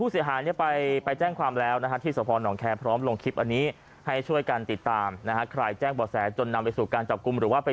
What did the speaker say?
เสียบค่าไว้ก็คือว่ารถติดปุ๊บก็จะกลับบ้านเลย